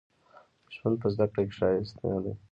ژوند په زده کړه ښايسته دې